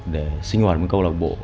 để sinh hoạt với câu lạc bộ